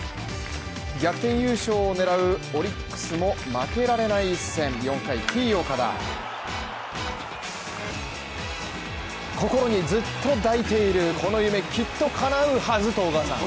逆転優勝を狙うオリックスも負けられない一戦４回Ｔ−岡田心にずっと抱いているこの夢きっと叶うはず